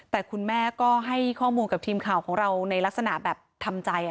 แต่คุณแม่ก็ให้ข้อมูลกับทีมข่าวของเราในลักษณะแบบทำใจ